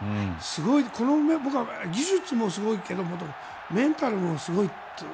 そのうえ技術もすごいけどメンタルもすごいという。